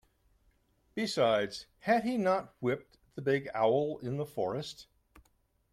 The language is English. Besides, had he not whipped the big owl in the forest.